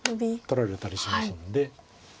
取られたりしますので。